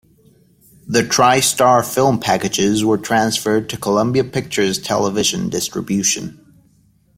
The Tri-Star film packages were transferred to Columbia Pictures Television Distribution.